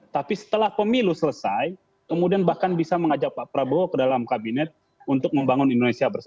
tapi setelah pemilu selesai kemudian bahkan bisa mengajak pak prabowo ke dalam kabinet untuk membangun indonesia bersama